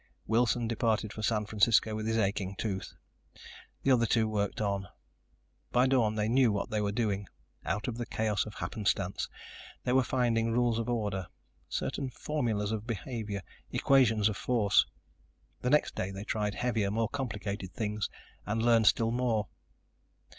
Wilson departed for San Francisco with his aching tooth. The other two worked on. By dawn they knew what they were doing. Out of the chaos of happenstance they were finding rules of order, certain formulas of behavior, equations of force. The next day they tried heavier, more complicated things and learned still more.